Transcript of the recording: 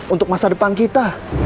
untuk masa depan kita